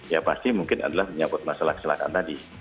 ya pasti mungkin adalah menyambut masalah keselakaan tadi